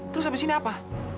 terus abis ini apa